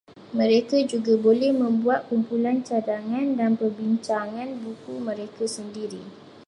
Mereka juga boleh membuat kumpulan cadangan dan perbincangan buku mereka sendiri